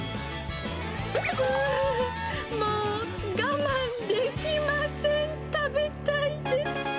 うー、もう我慢できません、食べたいです。